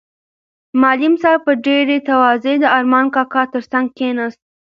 معلم صاحب په ډېرې تواضع د ارمان کاکا تر څنګ کېناست.